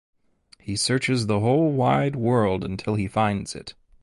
He searches the whole wide world until he finds it.